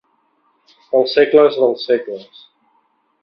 Pels segles dels segles.